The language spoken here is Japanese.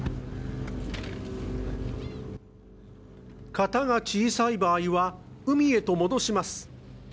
型が小さい場合は海へと戻します。